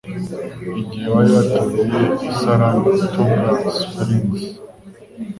Igihe bari batuye i Saratoga Springs,